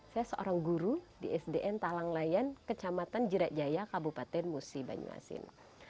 saya seorang guru di sdn talanglayan kecamatan jirajaya kabupaten musi banyuasin